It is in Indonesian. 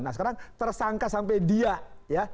nah sekarang tersangka sampai dia ya